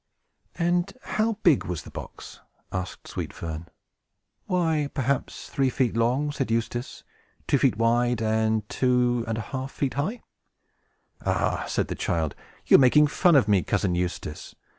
"And how big was the box?" asked Sweet Fern. "Why, perhaps three feet long," said Eustace, "two feet wide, and two feet and a half high." "Ah," said the child, "you are making fun of me, Cousin Eustace!